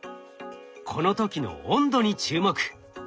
この時の温度に注目。